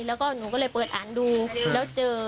แล้วก็หนูก็เลยเปิดอ่านดูแล้วเจอ